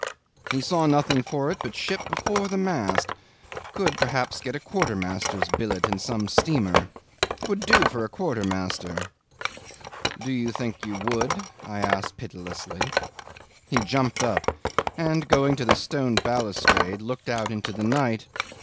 He saw nothing for it but ship before the mast could get perhaps a quartermaster's billet in some steamer. Would do for a quartermaster. ... "Do you think you would?" I asked pitilessly. He jumped up, and going to the stone balustrade looked out into the night.